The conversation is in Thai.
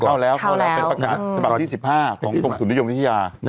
เข้าแล้วเป็นประกอบที่สิบห้าของศูนย์นิยมนิทยา